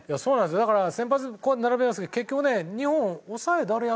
だから先発並べてますけど結局ね日本抑え誰がやるのかなって。